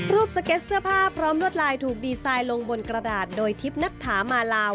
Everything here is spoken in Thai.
สเก็ตเสื้อผ้าพร้อมลวดลายถูกดีไซน์ลงบนกระดาษโดยทิพย์นัทธามาลาว